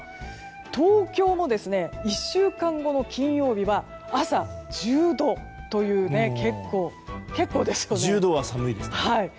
東京も１週間後の金曜日は朝、１０度という結構ですよね。